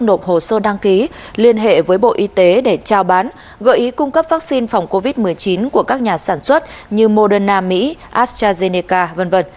nộp hồ sơ đăng ký liên hệ với bộ y tế để trao bán gợi ý cung cấp vaccine phòng covid một mươi chín của các nhà sản xuất như moderna mỹ astrazeneca v v